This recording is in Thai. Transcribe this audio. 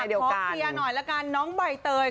ขอเคลียร์หน่อยละกันน้องใบเตย